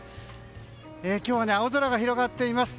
今日は青空が広がっています。